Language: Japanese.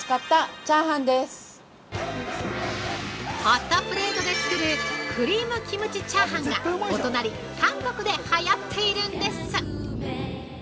◆ホットプレートで作るクリームキムチチャーハンがお隣、韓国ではやっているんです。